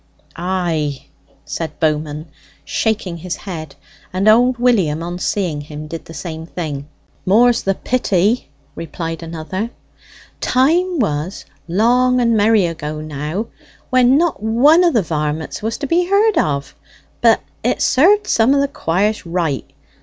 "Ay!" said Bowman, shaking his head; and old William, on seeing him, did the same thing. "More's the pity," replied another. "Time was long and merry ago now! when not one of the varmits was to be heard of; but it served some of the quires right.